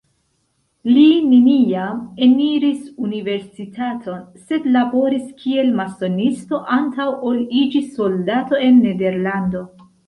Li neniam eniris universitaton, sed laboris kiel masonisto antaŭ ol iĝi soldato en Nederlando.